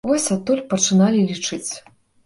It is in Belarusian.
Вось адтуль пачыналі лічыць.